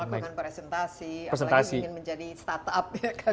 melakukan presentasi apalagi ingin menjadi startup ya kan